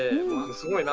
すごいな。